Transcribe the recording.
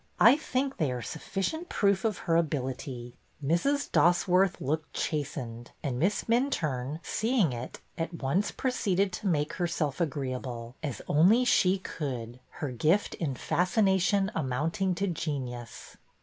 I think they are sufficient proof of her ability." 3o8 BETTY BAIRD^S VENTURES Mrs. Dosworth looked chastened, and Miss Minturne, seeing it, at once proceeded to make herself agreeable, as only she could, her gift in fascination amounting to genius.